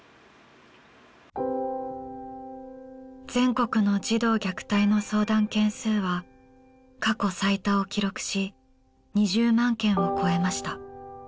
全国の児童虐待の相談件数は過去最多を記録し２０万件を超えました。